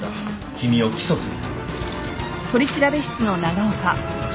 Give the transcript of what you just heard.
君を起訴する。